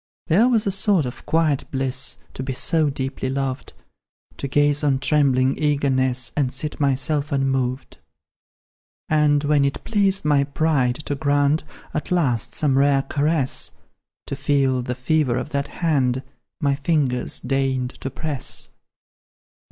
"There was a sort of quiet bliss To be so deeply loved, To gaze on trembling eagerness And sit myself unmoved. And when it pleased my pride to grant At last some rare caress, To feel the fever of that hand My fingers deigned to press.